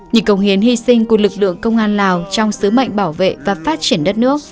những công hiến hy sinh của lực lượng công an lào trong sứ mệnh bảo vệ và phát triển đất nước